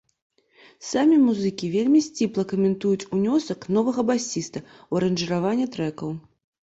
Самі музыкі вельмі сціпла каментуюць унёсак новага басіста ў аранжыраванне трэкаў.